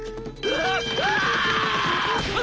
うわ！